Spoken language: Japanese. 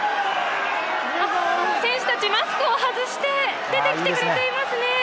選手たち、マスクを外して出てきてくれていますね。